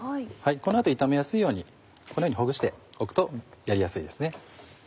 この後炒めやすいようにこのようにほぐしておくとやりやすいですね。